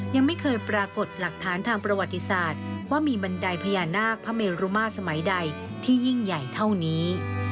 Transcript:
ยังไม่เคยปรากฏหลักฐานทางประวัติศาสตร์ว่ามีบันไดพญานาคพระเมรุมาสมัยใดที่ยิ่งใหญ่เท่านี้